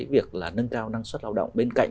việc là nâng cao năng suất lao động bên cạnh